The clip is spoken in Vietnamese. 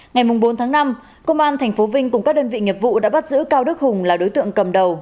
ngày bốn tháng năm công an tp vinh cùng các đơn vị nghiệp vụ đã bắt giữ cao đức hùng là đối tượng cầm đầu